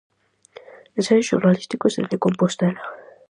Ensaios xornalísticos dende Compostela.